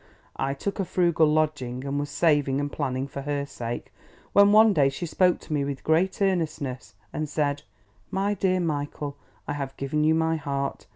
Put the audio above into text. I took a frugal lodging and was saving and planning for her sake, when, one day, she spoke to me with great earnestness, and said: "My dear Michael, I have given you my heart.